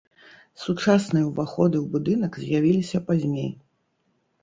Сучасныя ўваходы ў будынак з'явіліся пазней.